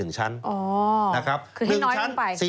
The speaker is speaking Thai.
คือให้น้อยลงไป